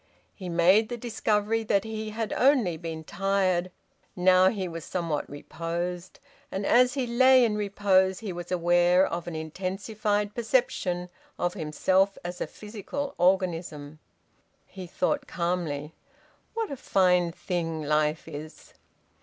He made the discovery that he had only been tired. Now he was somewhat reposed. And as he lay in repose he was aware of an intensified perception of himself as a physical organism. He thought calmly, "_What a fine thing life is!